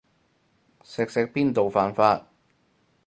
錫錫邊度犯法